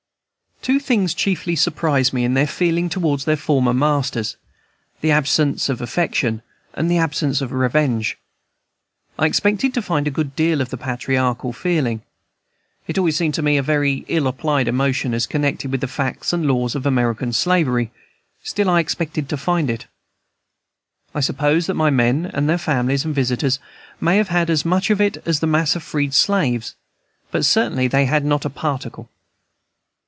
Two things chiefly surprised me in their feeling toward their former masters, the absence of affection and the absence of revenge. I expected to find a good deal of the patriarchal feeling. It always seemed to me a very ill applied emotion, as connected with the facts and laws of American slavery, still I expected to find it. I suppose that my men and their families and visitors may have had as much of it as the mass of freed slaves; but certainly they had not a particle.